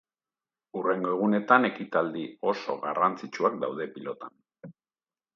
Hurrengo egunetan ekitaldi oso garrantzitsuak daude pilotan.